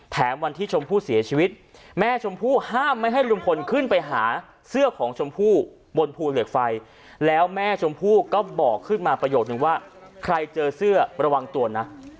แถมวันที่ชมพู่เสียชีวิตแม่ชมพู่ห้ามไม่ให้ลุงพลขึ้นไปหาเสื้อของชมพู่บนภูเหล็กไฟแล้วแม่ชมพู่ก็บอกขึ้นมาประโยคนึงว่าใครเจอเสื้อระวังตัวนะ